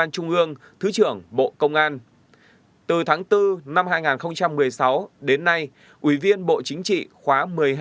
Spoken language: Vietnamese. trung ương thứ trưởng bộ công an từ tháng bốn năm hai nghìn một mươi sáu đến nay ủy viên bộ chính trị khóa một mươi hai một mươi ba